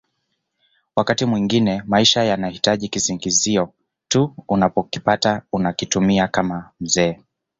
Wakati mwingine maisha yanahitaji kisingizio tu unapokipata unakitumia kama mzee